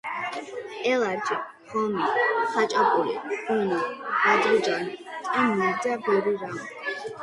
ელარჯი , ღომი, ხაჭაპური ღვინო ბადრიჯანი ტენილი და ბევრი რამ